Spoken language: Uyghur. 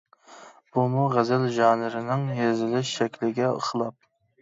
بۇمۇ غەزەل ژانىرىنىڭ يېزىلىش شەكلىگە خىلاپ.